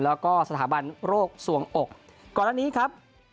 แล้วก็สถาบันโรคส่วงอกก่อนอันนี้ครับ